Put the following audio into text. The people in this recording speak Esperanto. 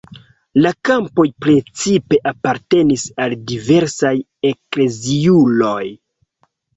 La kampoj precipe apartenis al diversaj ekleziuloj.